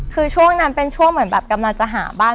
คือช่วงนั้นเป็นช่วงเหมือนแบบกำลังจะหาบ้าน